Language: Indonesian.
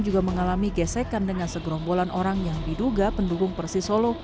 juga mengalami gesekan dengan segerombolan orang yang diduga pendukung persisolo